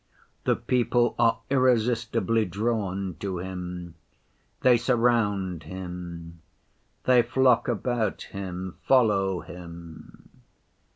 The people are irresistibly drawn to Him, they surround Him, they flock about Him, follow Him.